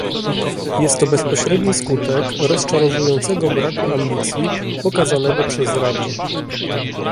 Jest to bezpośredni skutek rozczarowującego braku ambicji pokazanego przez Radę